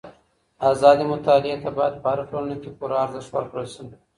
ازادي مطالعې ته بايد په هره ټولنه کي پوره ارزښت ورکړل سي.